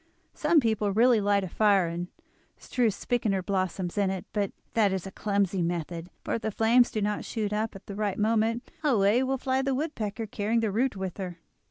Some people really light a fire and strew spikenard blossoms in it; but that is a clumsy method, for if the flames do not shoot up at the right moment away will fly the woodpecker, carrying the root with her."